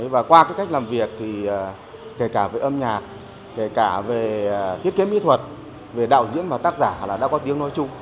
và qua cái cách làm việc thì kể cả về âm nhạc kể cả về thiết kế mỹ thuật về đạo diễn và tác giả là đã có tiếng nói chung